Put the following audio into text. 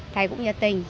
thầy cũng nhiệt tình